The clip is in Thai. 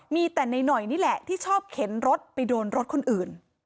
มีแต่ในหน่อยนี่แหละที่ชอบเข็นรถไปโดนรถคนอื่น